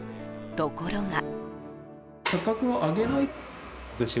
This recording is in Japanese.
ところが。